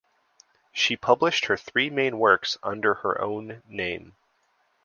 She published her three main works under her own name.